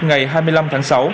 ngày hai mươi năm tháng sáu